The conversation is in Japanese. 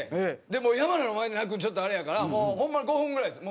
でも山名の前で泣くのちょっとあれやからホンマに５分ぐらいです。